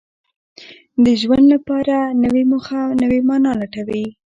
د ژوند لپاره نوې موخه او نوې مانا لټوي.